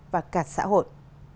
và cả xã hội